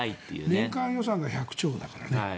年間予算が１００兆だから。